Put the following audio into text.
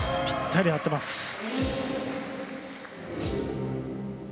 ぴったり合っています。